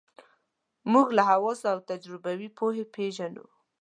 موږ له حواسو او تجربوي پوهې پېژنو.